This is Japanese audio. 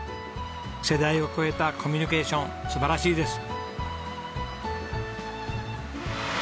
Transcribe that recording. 世代を超えたコミュニケーション素晴らしいです。